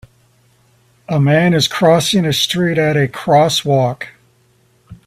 A man is crossing a street at a crosswalk.